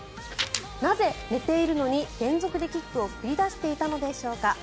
なぜ、寝ているのに連続でキックを繰り出していたのでしょうか。